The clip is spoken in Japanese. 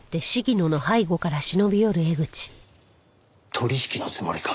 取引のつもりか？